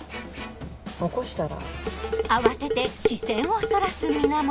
起こしたら。